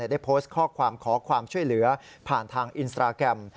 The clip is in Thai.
ได้โพสต์ข้อความขอความช่วยเหลือผ่านทางอินสตราแกรม